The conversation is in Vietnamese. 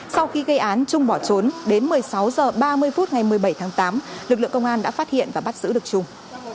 sau khi gây án trung bỏ trốn đến một mươi sáu h ba mươi phút ngày một mươi bảy tháng tám lực lượng công an đã phát hiện và bắt giữ được trung